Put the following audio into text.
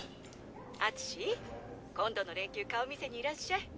敦今度の連休顔見せにいらっしゃい。